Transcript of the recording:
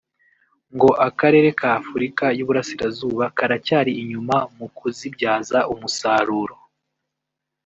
ngo akarere ka Afurika y’Iburasirazuba karacyari inyuma mu kuzibyaza umusaruro